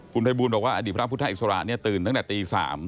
คุณภัยบูลบอกว่าอดีตพระพุทธอิสระตื่นตั้งแต่ตี๓